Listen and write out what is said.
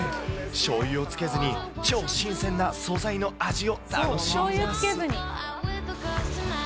しょうゆをつけずに超新鮮な素材の味を楽しみます。